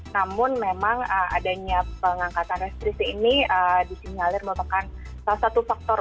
namun memang adanya pengangkatan restriksi ini disinyalir merupakan salah satu faktor